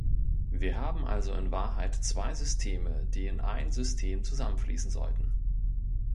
Wir haben also in Wahrheit zwei Systeme, die in ein System zusammenfließen sollten.